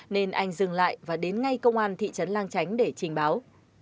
nên anh dừng lại và đến ngay công an thị trấn lang chánh để trình báo